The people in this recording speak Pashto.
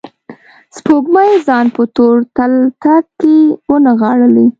سپوږمۍ ځان په تور تلتک کې ونغاړلي